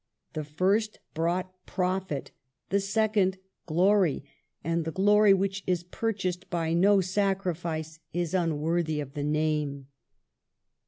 The first brought profit, the sec ond glory ; and the glory which is purchased by no sacrifice is unworthy of the name.